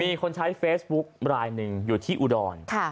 มีคนใช้เฟสบุ๊กลายนึงอยู่ที่อุดรนะฮะ